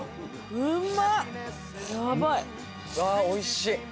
おいしい。